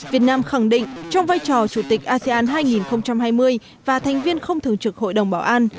việt nam khẳng định trong vai trò chủ tịch asean hai nghìn hai mươi và thành viên không thường trực hội đồng bảo an